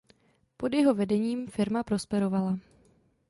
Pod jeho vedením firma prosperovala.